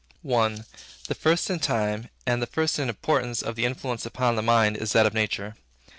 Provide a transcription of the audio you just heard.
I. The first in time and the first in importance of the influences upon the mind is that of nature.